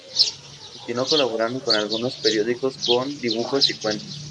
Continuó colaborando con algunos periódicos con dibujos y cuentos.